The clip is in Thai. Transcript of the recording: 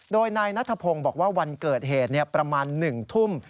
โดยนายนัทพงศ์บอกว่าวันเกิดเหตุประมาณ๑ทุ่ม